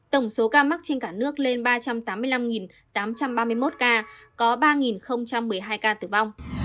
tổng số ca mắc trên cả nước lên ba trăm tám mươi năm tám trăm ba mươi một ca có ba một mươi hai ca tử vong